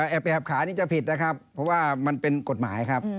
แอบไปแอบขานี่จะผิดนะครับเพราะว่ามันเป็นกฎหมายครับ